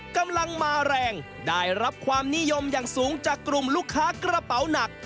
กำลังมาแรงได้รับความนิยมอย่างสูงจากกลุ่มลูกค้ากระเป๋าหนัก